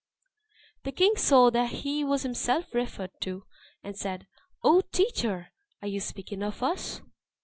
The king saw that he was himself referred to, and said, "O Teacher! are you speaking of us?"